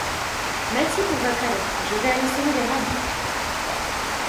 Merci pour votre aide, je vais aller semer des radis.